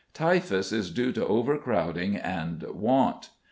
Typhus is due to overcrowding and want.